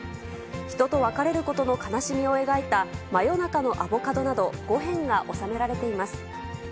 人と別れることの哀しみを描いた、真夜中のアボカドなど、５編が収められています。